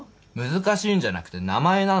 難しいんじゃなくて名前なの。